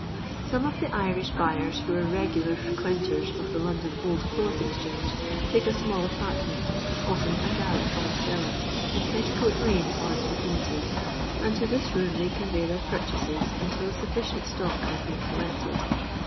* Some of the Irish bnyers who are regular fre quenters of the London Old Clothes Exchange, take a small apartment, often a garret or a cellar, in Petticoa^lane or its vicinity, and to this room they convey their purchases until a sufficient stock has been collected.